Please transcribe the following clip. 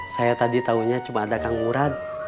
saya tadi taunya cuma ada kang murad